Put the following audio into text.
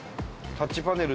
タッチパネル？